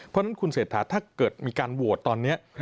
เพราะฉะนั้นคุณเศรษฐาถ้าเกิดมีการโหวตตอนนี้